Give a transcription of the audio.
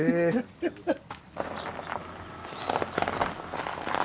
ハハハッ。